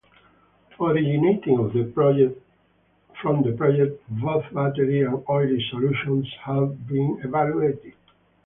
Originating from that project, both watery and oily solutions have been evaluated.